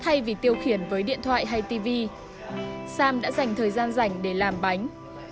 thay vì tiêu khiển với điện thoại hay tivi sam đã dành thời gian rảnh để làm bánh